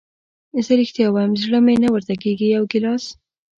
زه رښتیا وایم زړه مې نه ورته کېږي، یو ګیلاس.